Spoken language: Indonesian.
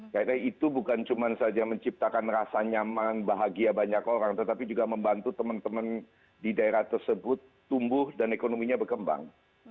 karena itu bukan cuma saja menciptakan rasa nyaman bahagia banyak orang tetapi juga membantu teman teman di daerah tersebut tumbuh dan ekonominya berkembang